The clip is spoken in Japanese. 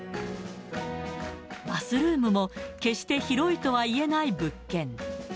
バスルームも決して広いとはいえない物件。